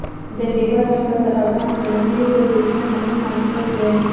د هېواد مرکز د افغان کورنیو د دودونو مهم عنصر دی.